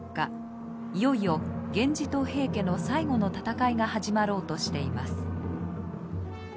いよいよ源氏と平家の最後の戦いが始まろうとしています。